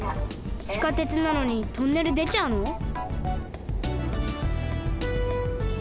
地下鉄なのにトンネルでちゃうの？